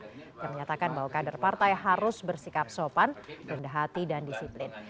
yang menyatakan bahwa kader partai harus bersikap sopan rendah hati dan disiplin